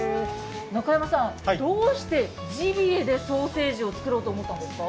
中山さん、どうしてジビエでソーセージを作ろうと思ったんですか？